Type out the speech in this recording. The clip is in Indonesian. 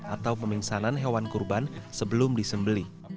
atau pemingsanan hewan kurban sebelum disembeli